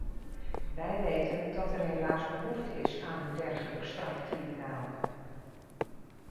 Wij weten dat er helaas behoefte is aan een dergelijk straftribunaal.